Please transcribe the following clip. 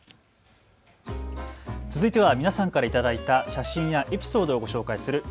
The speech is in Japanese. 続いては皆さんから頂いた写真やエピソードをご紹介する＃